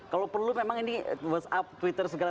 kalau perlu memang ini whatsapp twitter segala